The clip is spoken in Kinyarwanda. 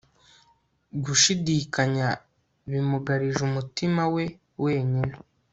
Gushidikanya bimugarije umutima we wenyine